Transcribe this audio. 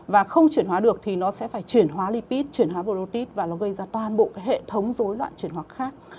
và không chuyển hóa được thì nó sẽ phải chuyển hóa lipid chuyển hóa protid và nó gây ra toàn bộ cái hệ thống dối loạn chuyển hóa khác